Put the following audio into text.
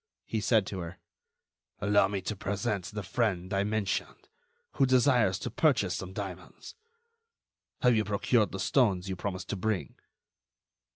He said to her: "Allow me to present the friend I mentioned, who desires to purchase some diamonds. Have you procured the stones you promised to bring?"